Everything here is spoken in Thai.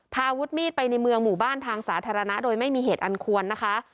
อาวุธมีดไปในเมืองหมู่บ้านทางสาธารณะโดยไม่มีเหตุอันควรนะคะ